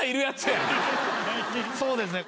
そうですね。